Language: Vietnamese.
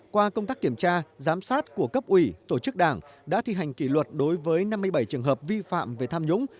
qua công tác kiểm tra giám sát của cấp ủy tổ chức đảng đã thi hành kỷ luật đối với năm mươi bảy trường hợp vi phạm về tham nhũng